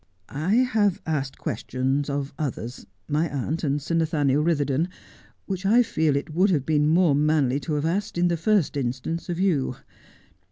I have asked questions of others — my aunt and Sir Nathaniel Ritherdon — which I feel it would have been more manly to have asked, in the first instance, of you.